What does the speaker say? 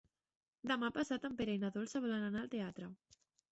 Demà passat en Pere i na Dolça volen anar al teatre.